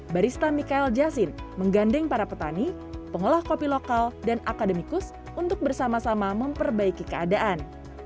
barista mikael jasin menggandeng para petani pengolah kopi lokal dan akademikus untuk bersama sama memperbaiki keadaan